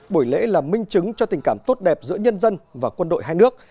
buổi lễ là minh chứng cho tình cảm tốt đẹp giữa nhân dân và quân đội hai nước